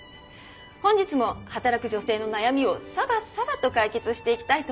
本日も働く女性の悩みをサバサバと解決していきたいと思います。